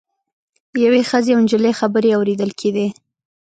یوې ښځې او نجلۍ خبرې اوریدل کیدې.